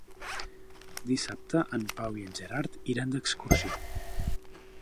Dissabte en Pau i en Gerard iran d'excursió.